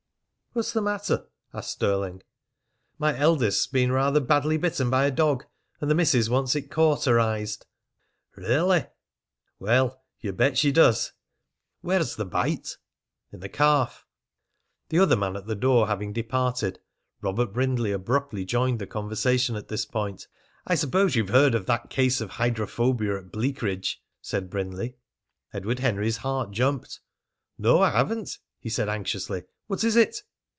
"What's the matter?" asked Stirling. "My eldest's been rather badly bitten by a dog, and the missis wants it cauterized." "Really?" "Well, you bet she does!" "Where's the bite?" "In the calf." The other man at the door having departed, Robert Brindley abruptly joined the conversation at this point. "I suppose you've heard of that case of hydrophobia at Bleakridge?" said Brindley. Edward Henry's heart jumped. "No, I haven't," he said anxiously. "What is it?"